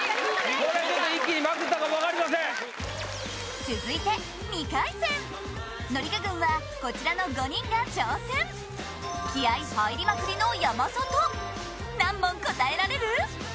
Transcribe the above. これ一気にまくったかも分かりません続いて２回戦紀香軍はこちらの５人が挑戦気合い入りまくりの山里何問答えられる？